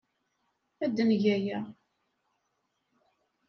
Ad neg aya.